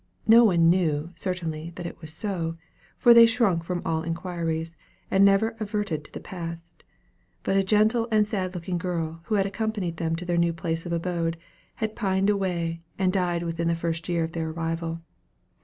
No one knew, certainly, that it was so for they shrunk from all inquiries, and never adverted to the past; but a gentle and sad looking girl, who had accompanied them to their new place of abode, had pined away, and died within the first year of their arrival.